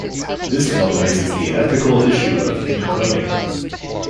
The film raises the ethical issue of human cloning.